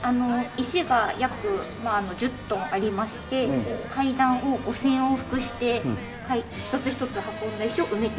石が約１０トンありまして階段を５０００往復して一つ一つ運んだ石を埋めております。